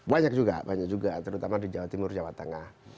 banyak juga banyak juga terutama di jawa timur jawa tengah